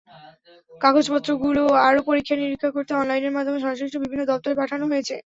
কাগজপত্রগুলো আরও পরীক্ষা-নিরীক্ষা করতে অনলাইনের মাধ্যমে সংশ্লিষ্ট বিভিন্ন দপ্তরে পাঠানো হয়েছে।